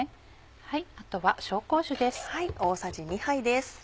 あとは紹興酒です。